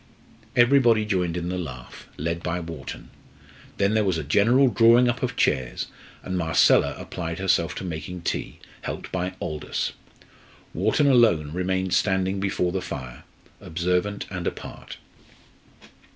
Everybody joined in the laugh, led by Wharton. Then there was a general drawing up of chairs, and Marcella applied herself to making tea, helped by Aldous. Wharton alone remained standing before the fire, observant and apart.